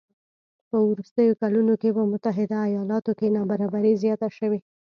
په وروستیو کلونو کې په متحده ایالاتو کې نابرابري زیاته شوې